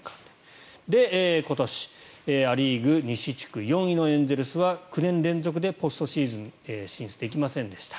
今年、ア・リーグ西地区４位のエンゼルスは９年連続でポストシーズン進出できませんでした。